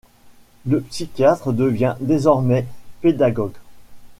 Le psychiatre devient, désormais, pédagogue.